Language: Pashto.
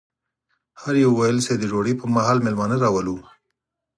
هر یوه ویل چې د ډوډۍ پر مهال مېلمانه راولو.